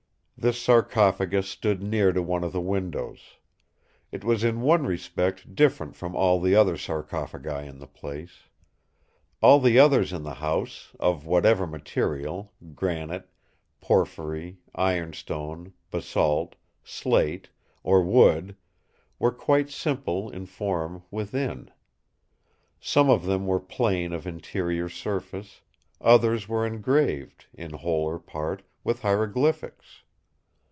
This sarcophagus stood near to one of the windows. It was in one respect different from all the other sarcophagi in the place. All the others in the house, of whatever material—granite, porphyry, ironstone, basalt, slate, or wood—were quite simple in form within. Some of them were plain of interior surface; others were engraved, in whole or part, with hieroglyphics.